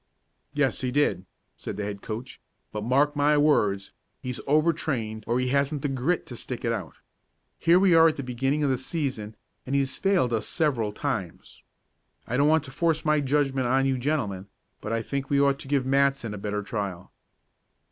"Yes, he did," said the head coach, "but mark my words, he's overtrained or he hasn't the grit to stick it out. Here we are at the beginning of the season, and he has failed us several times. I don't want to force my judgment on you gentlemen, but I think we ought to give Matson a better trial."